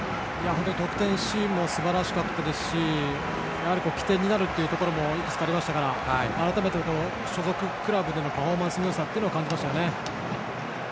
得点シーンもすばらしかったですし起点になるところもありましたから改めて所属クラブでのパフォーマンスのよさを感じました。